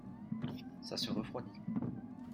ça se refroidit.